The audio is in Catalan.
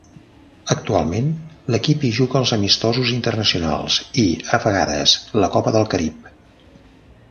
Actualment l'equip hi juga els amistosos internacionals i, a vegades, la Copa del Carib.